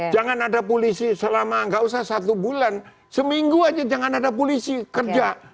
jangan ada polisi selama gak usah satu bulan seminggu aja jangan ada polisi kerja